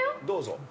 どうぞ。